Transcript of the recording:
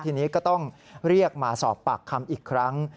ทีนี้ก็ต้องเรียกมาสอบปากคำอีกครั้ง